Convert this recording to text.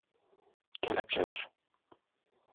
Kelepçeler…